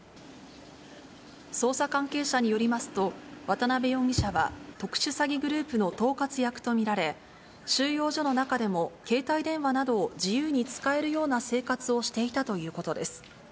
捜査関係者によりますと、渡辺容疑者は、特殊詐欺グループの統括役と見られ、収容所の中でも、携帯電話などを自由に使えるような生活をしていたということです。